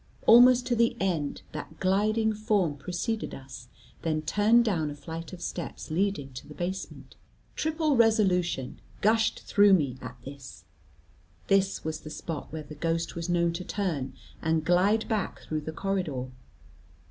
Almost to the end, that gliding form preceded us, then turned down a flight of steps leading to the basement. Triple resolution gushed through me at this; this was the spot where the ghost was known to turn, and glide back through the corridor.